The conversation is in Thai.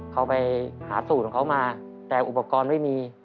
เขาไปหาสูตรของเขามาแต่อุปกรณ์ไม่มี